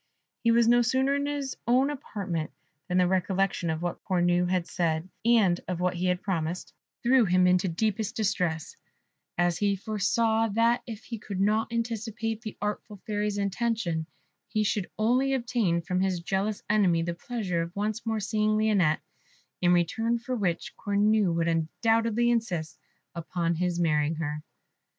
He was no sooner in his own apartment than the recollection of what Cornue had said, and of what he had promised, threw him into deep distress, as he foresaw that if he could not anticipate the artful Fairy's intention, he should only obtain from this jealous enemy the pleasure of once more seeing Lionette, in return for which Cornue would undoubtedly insist upon his marrying her.